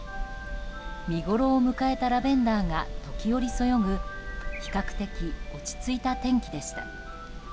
見ごろを迎えたラベンダーが時折そよぐ比較的落ち着いた天気でした。